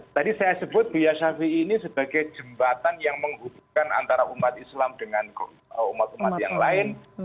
tadi saya sebut beliau syafi'i ini sebagai jembatan yang menghubungkan antara umat islam dengan umat umat yang lain